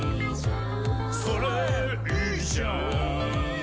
「それいーじゃん」